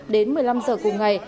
đến một mươi năm giờ cùng ngày